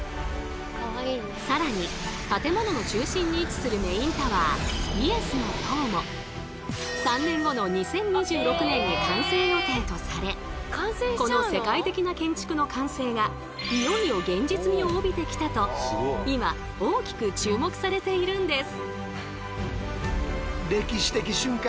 更に建物の中心に位置するメインタワーイエスの塔も３年後のこの世界的な建築の完成がいよいよ現実味を帯びてきたと今大きく注目されているんです。